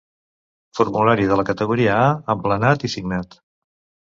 Formulari de la categoria A emplenat i signat.